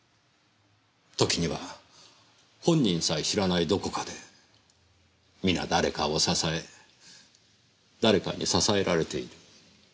時には本人さえ知らないどこかでみな誰かを支え誰かに支えられている。